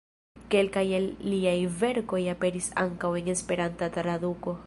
Kelkaj el liaj verkoj aperis ankaŭ en Esperanta traduko.